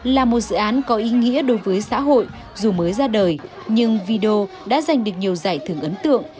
là một dự án có ý nghĩa đối với xã hội dù mới ra đời nhưng video đã giành được nhiều giải thưởng ấn tượng